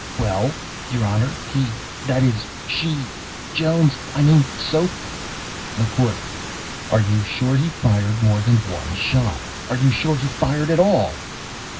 "Well, your Honor he that is, she Jones, I mean Soph " THE COURT. "Are you sure he fired more than one shot? Are you sure he fired at all?"